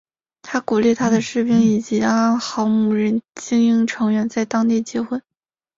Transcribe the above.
他鼓励他的士兵以及阿豪姆人精英成员在当地结婚。